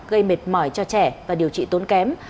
gây mệt mỏi cho trẻ và điều trị tốn kém